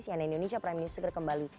sian nen indonesia prime news segera kembali